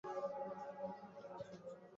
উদয়াদিত্য পূর্বে তো এমন ছিল না।